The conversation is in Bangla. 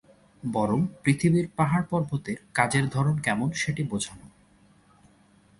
বরং পৃথিবীর পাহাড়-পর্বতের কাজের ধরন কেমন সেটি বুঝানো।